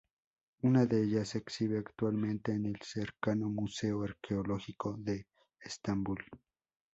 Una de ellas se exhibe actualmente en el cercano Museo arqueológico de Estambul.